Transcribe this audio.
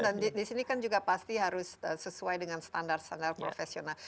dan di sini kan juga pasti harus sesuai dengan standar standar profesional